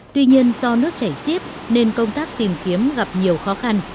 tuy nhiên do nước chảy xiết nên công tác tìm kiếm gặp nhiều khó khăn